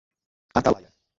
Atalaia